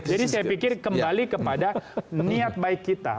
jadi saya pikir kembali kepada niat baik kita